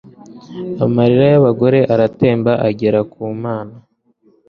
Amarira y'abagore aratemba agera ku mana